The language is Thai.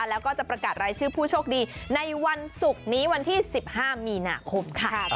แล้วก็จะประกาศรายชื่อผู้โชคดีในวันศุกร์นี้วันที่๑๕มีนาคมค่ะ